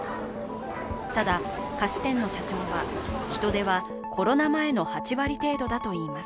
ただ、菓子店の社長は人出はコロナ前の８割程度だと言います。